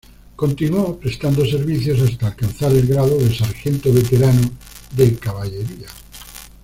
Continuó prestando servicios hasta alcanzar el grado de sargento veterano de caballería.